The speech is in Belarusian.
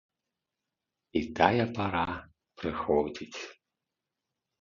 І тая пара прыходзіць.